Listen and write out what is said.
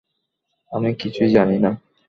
আমি কিছুই জানি না।